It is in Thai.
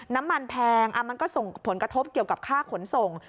แพงมันก็ส่งผลกระทบเกี่ยวกับค่าขนส่ง